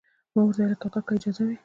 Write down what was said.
ما ورته وویل کاکا که اجازه وي.